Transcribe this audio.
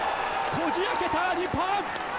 こじあけた、日本！